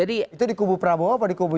itu di kubu prabowo apa di kubu